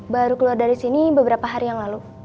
baru keluar dari sini beberapa hari yang lalu